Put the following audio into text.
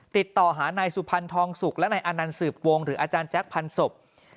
ติดต่อหานายสุพรรณทองสุกและนายอานันต์สืบวงหรืออาจารย์แจ๊คพันศพ